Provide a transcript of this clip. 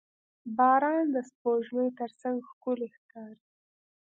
• باران د سپوږمۍ تر څنګ ښکلی ښکاري.